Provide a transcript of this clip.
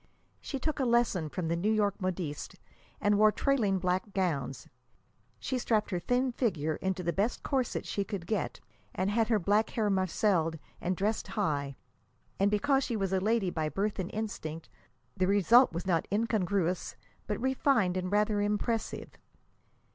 She took a lesson from the New York modistes, and wore trailing black gowns. She strapped her thin figure into the best corset she could get, and had her black hair marcelled and dressed high. And, because she was a lady by birth and instinct, the result was not incongruous, but refined and rather impressive.